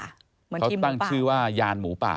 เขาตั้งชื่อว่ายานหมูป่า